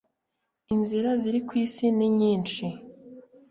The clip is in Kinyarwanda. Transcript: inzira ziri kw isi ninyisnhi